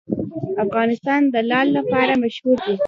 افغانستان د لعل لپاره مشهور دی.